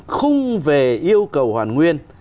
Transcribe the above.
không về yêu cầu hoàn nguyên